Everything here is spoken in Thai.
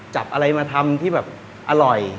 จับอะไรมาทำที่แบบอร่อย